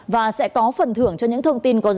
và sẽ có phần thưởng cho những thông tin của quý vị